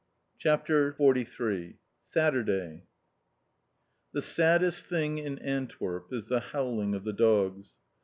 CHAPTER XLIII SATURDAY The saddest thing in Antwerp is the howling of the dogs.